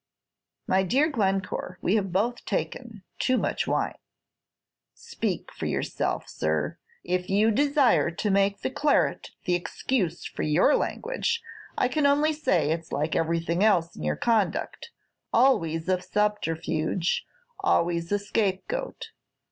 "My dear Glencore, we have both taken too much wine." "Speak for yourself, sir. If you desire to make the claret the excuse for your language, I can only say it's like everything else in your conduct, always a subterfuge, always a scapegoat.